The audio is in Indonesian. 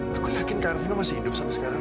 aku yakin kak arvino masih hidup sampai sekarang